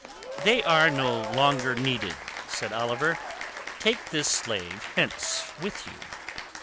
"They are no longer needed," said Oliver. "Take this slave hence with you.